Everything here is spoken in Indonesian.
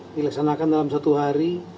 dilaksanakan dalam satu hari